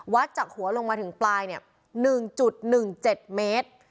จากหัวลงมาถึงปลาย๑๑๗เมตร